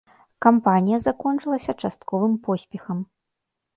Кампанія закончылася частковым поспехам.